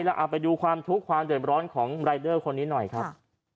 เอาไปดูความทุกข์ความเดือดร้อนของรายเดอร์คนนี้หน่อยครับ